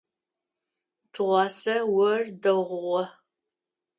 Тыгъуасэ ор дэгъугъэ.